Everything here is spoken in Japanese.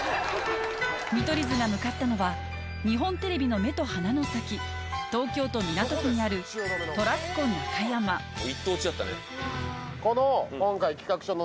見取り図が向かったのは日本テレビの目と鼻の先東京都港区にある訳分からん。